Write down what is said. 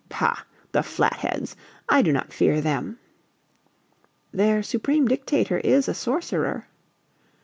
"Pah! The Flatheads. I do not fear them." "Their Supreme Dictator is a Sorcerer."